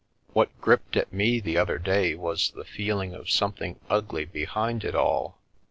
What gripped at me the other day was the feeling of something ugly behind it all.